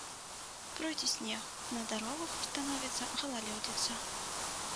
Пройдзе снег, на дарогах установіцца галалёдзіца.